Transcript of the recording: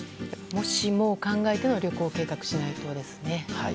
もしもを考えての旅行を計画しないとですね。